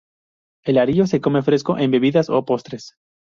El arilo se come fresco, en bebidas o postres.